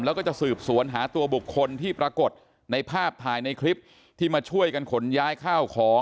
แล้วก็จะสืบสวนหาตัวบุคคลที่ปรากฏในภาพถ่ายในคลิปที่มาช่วยกันขนย้ายข้าวของ